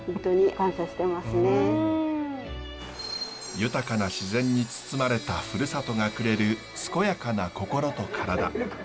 豊かな自然に包まれたふるさとがくれる健やかな心と体。